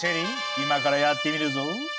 今からやってみるぞ。